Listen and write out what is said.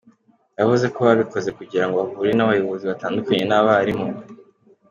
Yavuze ko babikoze kugira ngo bahure n’abayobozi batandukanye n’abarimu.